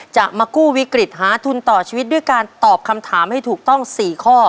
จะมากู้วิกฤตหาทุนต่อชีวิตด้วยการตอบคำถามให้ถูกต้อง๔ข้อ